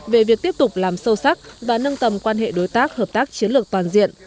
về việc tiếp tục làm sâu sắc và nâng tầm quan hệ đối tác hợp tác chiến lược toàn diện